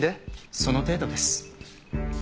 その程度です。